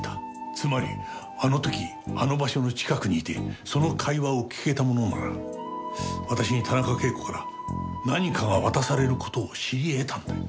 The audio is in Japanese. つまりあの時あの場所の近くにいてその会話を聞けた者なら私に田中啓子から何かが渡される事を知り得たんだよ。